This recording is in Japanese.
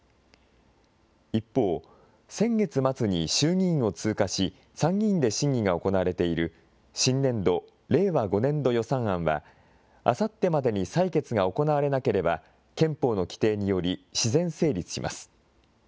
一方、先月末に衆議院を通過し、参議院で審議が行われている、新年度・令和５年度予算案は、あさってまでに採決が行われなければ、憲法の規定により、自然成立します。